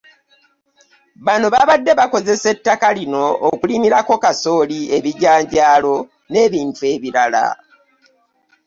Bano babadde bakozesa ettaka lino okulimirako kasooli, ebijjanjaalo n'ebintu ebirala